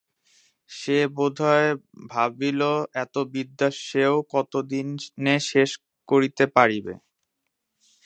সে বোধ হয় ভাবিল, এত বিদ্যা সেও কত দিনে শেষ করিতে পারিবে।